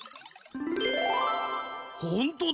ほんとだ。